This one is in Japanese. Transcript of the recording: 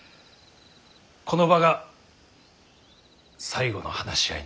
この場が最後の話し合いになるかと。